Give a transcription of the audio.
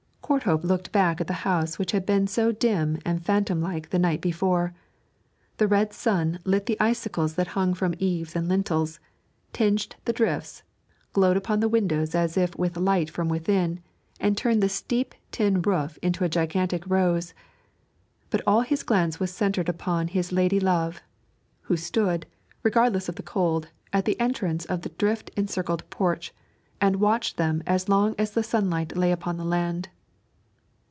Courthope looked back at the house which had been so dim and phantom like the night before; the red sun lit the icicles that hung from eaves and lintels, tinged the drifts, glowed upon the windows as if with light from within, and turned the steep tin roof into a gigantic rose; but all his glance was centred upon his lady love, who stood, regardless of the cold, at the entrance of the drift encircled porch and watched them as long as the sunlight lay upon the land.